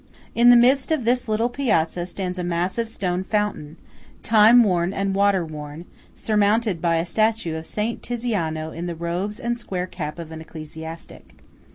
In the midst of this little piazza stands a massive stone fountain, time worn and water worn, surmounted by a statue of Saint Tiziano in the robes and square cap of an ecclesiastic.